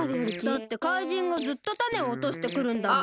だって怪人がずっとタネをおとしてくるんだもん。